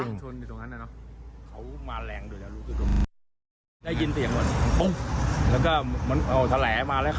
บุดวิดที่สุดในชีวิตถูกฯ